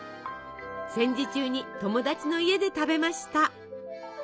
戦時中に友達の家で食べました。